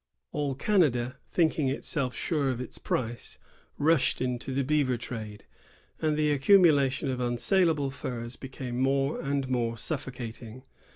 AU cLL, thinking Self sure of ite price, rushed into the beaver trade, and the accumulation of unsal able furs became more and more suffocating.